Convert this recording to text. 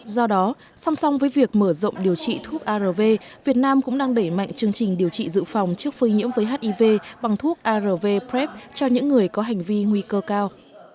do đó song song với việc mở rộng điều trị thuốc arv việt nam cũng đang đẩy mạnh chương trình điều trị dự phòng trước phơi nhiễm với hiv bằng thuốc arv prep cho những người có hành vi nguy cơ cao